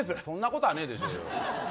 そんなことはねえでしょうよ！